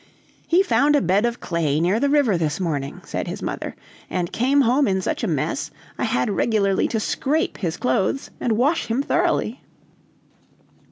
"He found a bed of clay near the river this morning," said his mother, "and came home in such a mess, I had regularly to scrape his clothes and wash him thoroughly!"